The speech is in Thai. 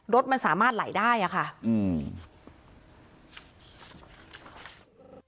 รถมันสามารถไหลได้อ่ะค่ะอืม